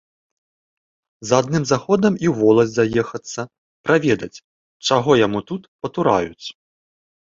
За адным заходам і ў воласць заехацца, праведаць, чаго яму там патураюць.